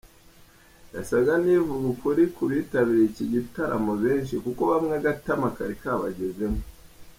Yasaga n’ivuga ukuri ku bitabiriye iki gitaramo benshi kuko bamwe agatama kari kabagezemo.